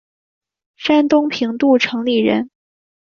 山东平度城里人。